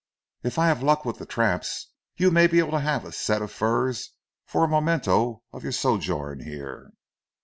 "If I have luck with the traps, you may be able to have a set of furs for a memento of your sojourn here!"